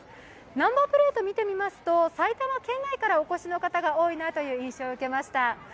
ナンバープレート見てみますと埼玉県内からお越しの方が多いなという印象を受けました。